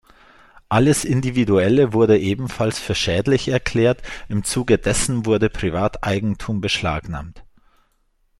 Alles Individuelle wurde ebenfalls für schädlich erklärt, im Zuge dessen wurde Privateigentum beschlagnahmt.